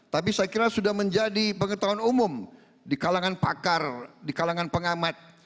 tapi saya kira sudah menjadi pengetahuan umum di kalangan pakar di kalangan pengamat